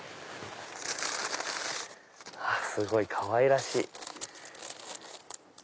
すごいかわいらしい。